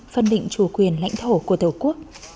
phân định chủ quyền lãnh thổ của tổ quốc